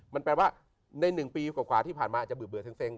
มันแปลว่าใน๑ปีกว่าที่ผ่านมาอาจจะเบื่อเซ็ง